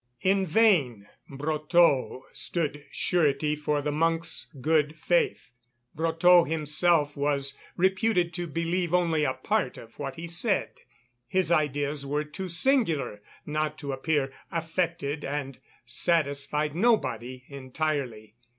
In vain Brotteaux stood surety for the monk's good faith; Brotteaux himself was reputed to believe only a part of what he said. His ideas were too singular not to appear affected and satisfied nobody entirely.